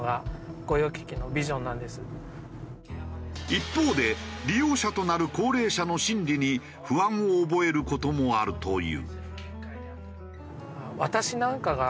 一方で利用者となる高齢者の心理に不安を覚える事もあるという。